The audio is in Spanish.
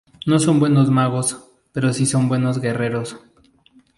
No son buenos magos, pero sí son buenos guerreros.